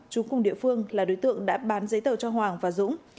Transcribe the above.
chú cùng địa phương là đối tượng đã bán giấy tờ cho hoàng và dũng